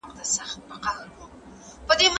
منځنی سرعت تګ غوړ سوځوي.